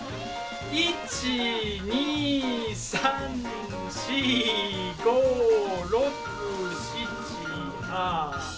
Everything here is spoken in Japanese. １２３４５６７８。